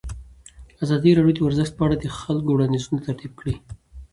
ازادي راډیو د ورزش په اړه د خلکو وړاندیزونه ترتیب کړي.